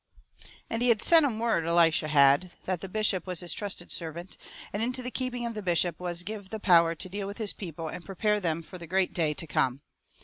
And he had sent 'em word, Elishyah had, that the bishop was his trusted servant, and into the keeping of the bishop was give the power to deal with his people and prepare them fur the great day to come.